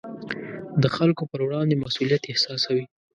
د خلکو پر وړاندې مسوولیت احساسوي.